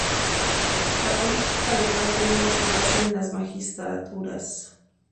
La política local tenía su base en las magistraturas.